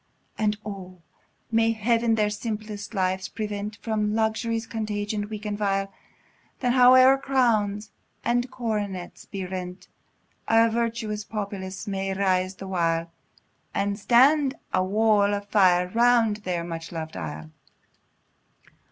And O! may Heaven their simple lives prevent From luxury's contagion, weak and vile! Then howe'er crowns and coronets be rent, A virtuous populace may rise the while, And stand a wall of fire around their much lov'd isle.